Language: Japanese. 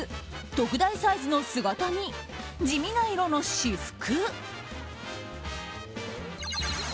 特大サイズの姿見地味な色の私服。